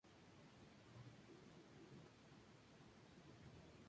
En el periplo se menciona expresamente que se trataba de una fundación griega.